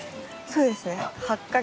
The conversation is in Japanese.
そうですか。